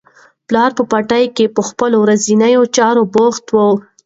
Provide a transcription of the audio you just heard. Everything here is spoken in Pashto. پلار په پټي کې په خپلو ورځنیو چارو بوخت و.